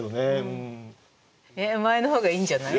え前の方がいいんじゃない？